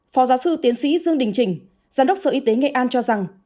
phó giáo sư tiến sĩ dương đình trình giám đốc sở y tế nghệ an cho rằng